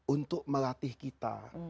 untuk melatih kita